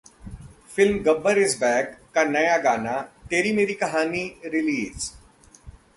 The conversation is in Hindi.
फिल्म 'गब्बर इज बैक' का नया गाना 'तेरी मेरी कहानी' रिलीज